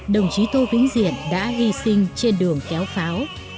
đồng chí tô vĩnh diện đã hy sinh trên đường kéo pháo